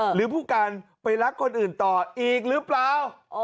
หรือผู้การไปรักคนอื่นต่ออีกหรือเปล่า